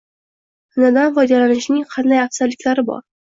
Xinadan foydalanishning qanday afzalliklari bor?